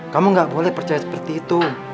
kamu gak boleh percaya seperti itu